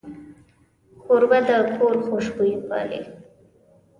کوربه د کور خوشبويي پالي.